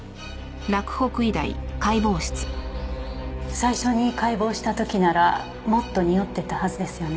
最初に解剖した時ならもっとにおってたはずですよね？